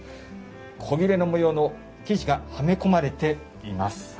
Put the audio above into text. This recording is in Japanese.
古裂の模様の生地がはめ込まれています。